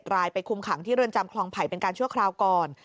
รายไปคุมขังที่เรือนจำคลองไผ่เป็นการชั่วคราวก่อน